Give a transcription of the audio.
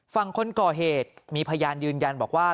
ฝั่งคนก่อเหตุมีพยานยืนยันบอกว่า